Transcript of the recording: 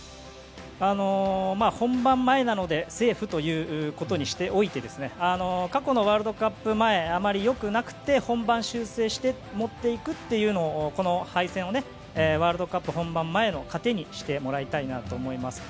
本番前なのでセーフということにしておいて過去のワールドカップ前あまり良くなくて本番修正して持っていくというのをこの敗戦をワールドカップ本番前の糧にしてもらいたいと思います。